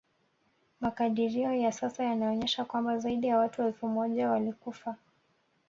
Makadirio ya sasa yanaonyesha kwamba zaidi ya watu elfu moja walikufa